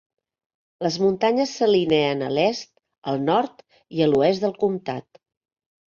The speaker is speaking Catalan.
Les muntanyes s'alineen a l'est, el nord i l'oest del comtat.